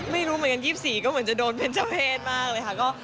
ไม่รู้เหมือนกัน๒๔ก็เหมือนจะโดนเป็นเจ้าเพศมากเลยค่ะ